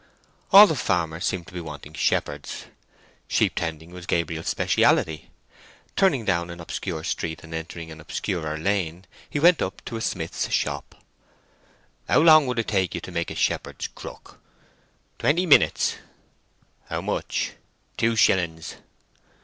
All the farmers seemed to be wanting shepherds. Sheep tending was Gabriel's speciality. Turning down an obscure street and entering an obscurer lane, he went up to a smith's shop. "How long would it take you to make a shepherd's crook?" "Twenty minutes." "How much?" "Two shillings."